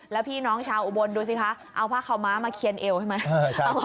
แล้วพี่น้องชาวอุบลดูสิคะเอาผ้าขาวม้ามาเคียนเอวใช่ไหม